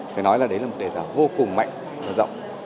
phải nói là đấy là một đề thảo vô cùng mạnh và rộng